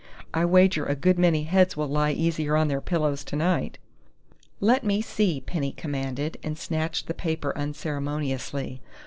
I wager a good many heads will lie easier on their pillows tonight." "Let me see!" Penny commanded, and snatched the paper unceremoniously.